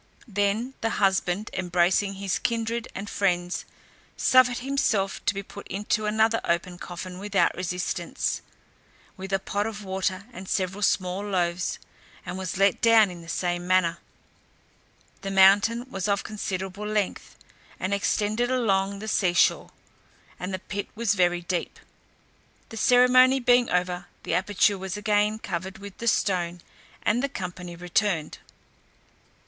Then the husband, embracing his kindred and friends, suffered himself to be put into another open coffin without resistance, with a pot of water, and seven small loaves, and was let down in the same manner. The mountain was of considerable length, and extended along the sea shore, and the pit was very deep. The ceremony being over, the aperture was again covered with the stone, and the company returned.